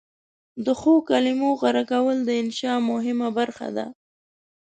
د ښو کلمو غوره کول د انشأ مهمه برخه ده.